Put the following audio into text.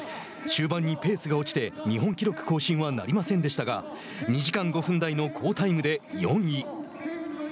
終盤にペースが落ちて日本記録更新はなりませんでしたが２時間５分台の好タイムで４位。